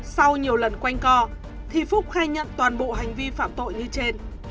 sau nhiều lần quanh co thì phúc khai nhận toàn bộ hành vi phạm tội như trên